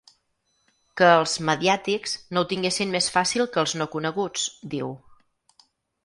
Que els “mediàtics” no ho tinguessin més fàcil que els no coneguts, diu.